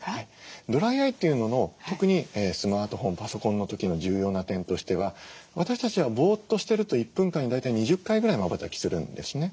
ドライアイというのの特にスマートフォンパソコンの時の重要な点としては私たちはぼっとしてると１分間に大体２０回ぐらいまばたきするんですね。